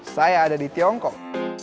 saya ada di tiongkok